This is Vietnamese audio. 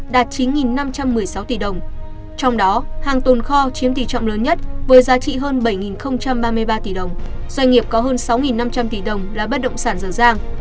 doanh nghiệp có hơn sáu năm trăm linh tỷ đồng là bất động sản dở dàng